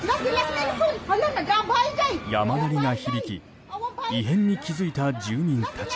山なりが響き異変に気付いた住民たち。